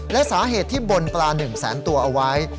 และสาเหตุที่บนปลา๑แสนตัวเอาไว้